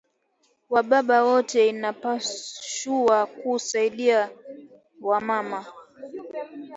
Wa baba wote inapashua ku saidia wa mama